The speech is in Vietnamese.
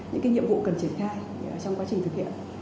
những nhiệm vụ cần triển khai trong quá trình thực hiện